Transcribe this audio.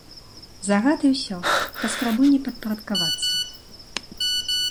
Загад, і ўсё, паспрабуй не падпарадкавацца!